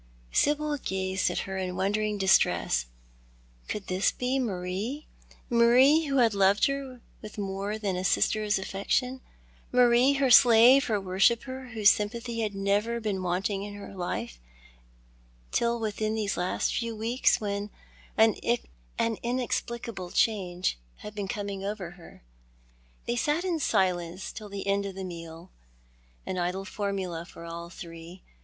Sibyl gazed at her in wondering distress — could this be Marie, Marie who had loved her with more than a sister's affection ? Marie, her slave, her worshipper, whose sympathy had never been wanting in her life till within these last few weeks, when an inexplicable change had been coming over her ? They sat in silence till the end of the meal — an idle formula for all three.